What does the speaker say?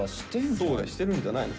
そうだよ。してるんじゃないの？